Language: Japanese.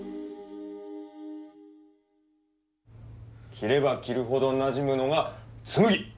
着れば着るほどなじむのが紬！